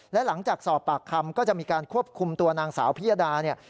และหลังจากสอบปากคำก็จะมีการควบคุมตัวนางสาวพิยดาเนี่ย